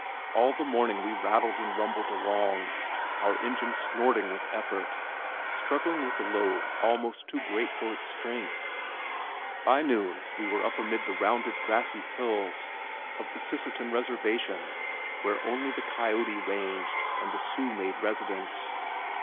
All the morning we rattled and rumbled along, our engine snorting with effort, struggling with a load almost too great for its strength. By noon we were up amid the rounded grassy hills of the Sisseton Reservation where only the coyote ranged and the Sioux made residence.